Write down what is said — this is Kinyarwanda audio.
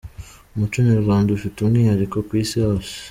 umuco nyarwanda ufite umwihariko kwisi hose